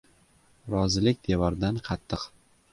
• Rozilik devordan qattiq.